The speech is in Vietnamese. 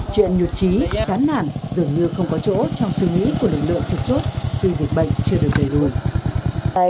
chuyện nhụt trí chán nản dường như không có chỗ trong suy nghĩ của lực lượng trực chốt khi dịch bệnh chưa được đẩy lùi